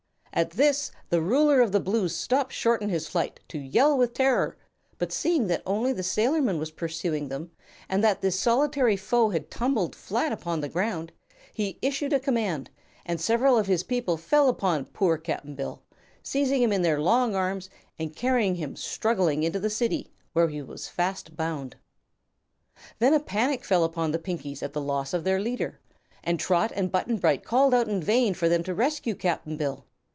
At this the Ruler of the Blues stopped short in his flight to yell with terror, but seeing that only the sailorman was pursuing them and that this solitary foe had tumbled flat upon the ground, he issued a command and several of his people fell upon poor Cap'n Bill, seized him in their long arms and carried him struggling into the City, where he was fast bound. Then a panic fell upon the Pinkies at the loss of their leader, and Trot and Button Bright called out in vain for them to rescue Cap'n Bill.